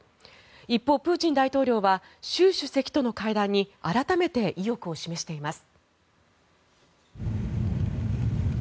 一方、プーチン大統領は習主席との会談に改めて意欲を示しています。